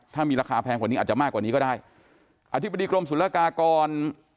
ถ้ามีราคาแพงกว่านี้อาจจะมากกว่านี้ก็ได้อธิบดีกรมศุลกากร